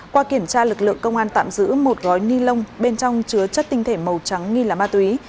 qua kiểm tra lực lượng công an tạm giữ một gói ni lông bên trong chứa chất tinh thể màu trắng nghi là ma túy